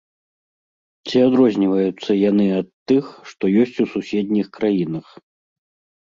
Ці адрозніваюцца яны ад тых, што ёсць у суседніх краінах?